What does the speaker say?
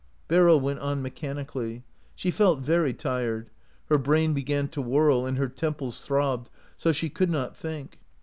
" Beryl went on mechanically. She felt very tired ; her brain began to whirl, and her tem ples throbbed so she could not think.